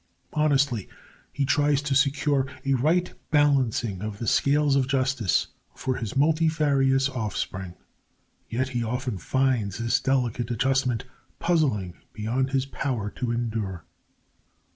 Honestly he tries to secure a right balancing of the scales of justice for his multifarious offspring, yet often finds this delicate adjustment puzzling beyond his power to endure.